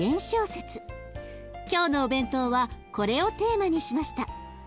今日のお弁当はこれをテーマにしました。